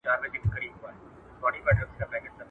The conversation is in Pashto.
په الکهف سورت کي الله تعالی څو قصې ذکر کړي دي.